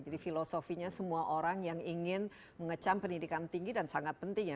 jadi filosofinya semua orang yang ingin mengecam pendidikan tinggi dan sangat penting ya